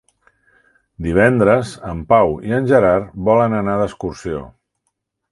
Divendres en Pau i en Gerard volen anar d'excursió.